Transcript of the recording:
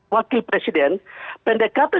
wakil presiden pendekatan